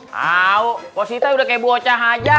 kau sih udah kayak bu ocah aja